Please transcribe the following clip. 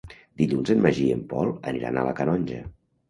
Dilluns en Magí i en Pol aniran a la Canonja.